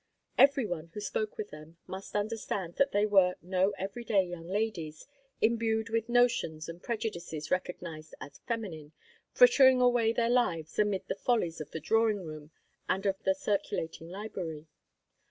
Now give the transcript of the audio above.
Every one who spoke with them must understand that they were no every day young ladies, imbued with notions and prejudices recognized as feminine, frittering away their lives amid the follies of the drawing room and of the circulating library.